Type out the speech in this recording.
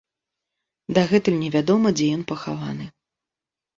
Дагэтуль невядома, дзе ён пахаваны.